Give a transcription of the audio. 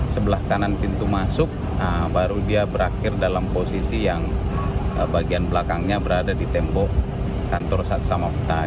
sebelah kanan pintu masuk baru dia berakhir dalam posisi yang bagian belakangnya berada di tembok kantor sat samapta